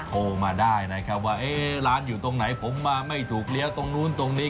โทรมาได้นะครับว่าร้านอยู่ตรงไหนผมมาไม่ถูกเลี้ยวตรงนู้นตรงนี้